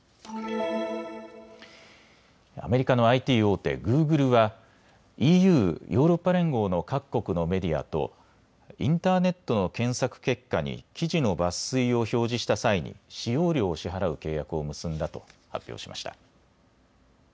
アメリカのＩＴ大手、グーグルはＥＵ・ヨーロッパ連合の各国のメディアとインターネットの検索結果に記事の抜粋を表示した際に使用料を支払う契約を結んだと発表しました。